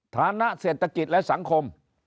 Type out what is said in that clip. ฐานะเศรษฐกิจและสังคม